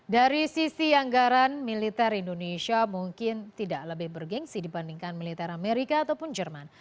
dari sisi anggaran militer indonesia mungkin tidak lebih bergensi dibandingkan militer amerika ataupun jerman